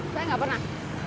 saya enggak pernah